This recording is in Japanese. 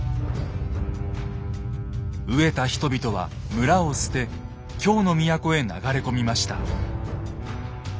飢えた人々は村を捨て京の都へ流れ込みました。